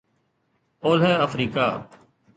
اولهه آفريڪا